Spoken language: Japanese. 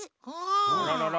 あららら？